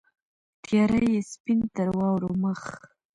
تیاره یې سپین تر واورو مخ